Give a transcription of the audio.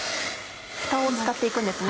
ふたを使って行くんですね。